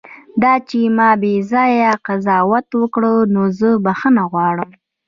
دا چې ما بیځایه قضاوت وکړ، نو زه بښنه غواړم.